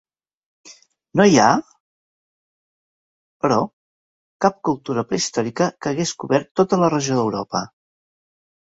No hi ha, però, cap cultura prehistòrica que hagués cobert tota la regió d'Europa.